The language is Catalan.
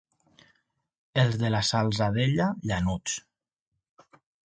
Els de la Salzadella, llanuts.